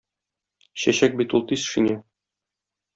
Чәчәк бит ул тиз шиңә.